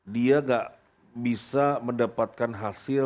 dia gak bisa mendapatkan hasil